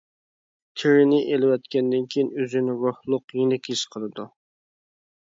تېرىنى ئېلىۋەتكەندىن كېيىن ئۆزىنى روھلۇق، يېنىك ھېس قىلىدۇ.